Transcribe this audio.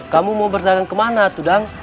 kamu mau berdagang kemana tuh dang